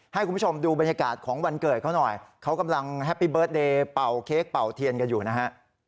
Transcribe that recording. ให้คุณผู้ชมดูบรรยากาศของวันเกิดเขาหน่อยเขากำลังแฮปปี้เบิร์ตเดย์เป่าเค้กเป่าเทียนกันอยู่นะฮะ